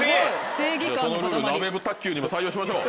そのルールなべブタっ球にも採用しましょう。